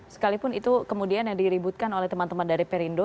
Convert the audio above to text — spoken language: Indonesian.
sekalipun itu kemudian yang diributkan oleh teman teman dari perindo